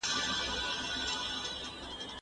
خلګو په انټرنیټ کي خپل نظرونه لیکل.